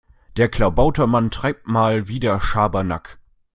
Der Klabautermann treibt mal wieder Schabernack.